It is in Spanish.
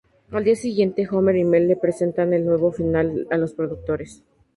Al día siguiente, Homer y Mel le presentan el nuevo final a los productores.